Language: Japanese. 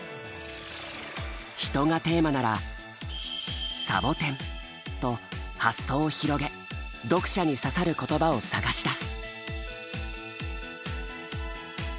「人」がテーマなら「仙人掌」と発想を広げ読者に刺さる言葉を探し出す。